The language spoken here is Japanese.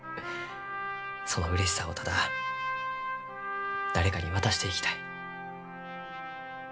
そのうれしさをただ誰かに渡していきたい。